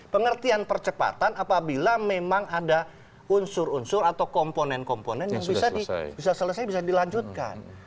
pengertian percepatan apabila memang ada unsur unsur atau komponen komponen yang bisa selesai bisa dilanjutkan